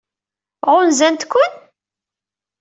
Ɣunzant-ken?